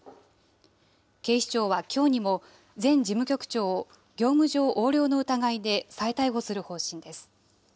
警視庁はきょうにも、前事務局長を業務上横領の疑いで再逮捕する方針です。